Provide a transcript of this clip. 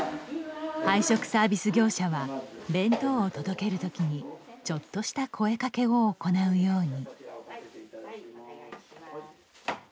配食サービス業者は弁当を届けるときにちょっとした声かけを行うように。